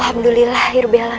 alhamdulillah irbi alami